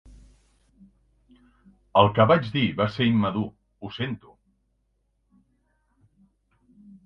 El que vaig dir va ser immadur, ho sento.